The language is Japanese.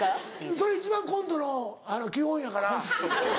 それ一番コントの基本やから。